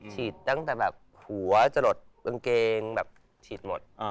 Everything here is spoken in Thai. ตั้งแต่แบบหัวจะหลดกางเกงแบบฉีดหมด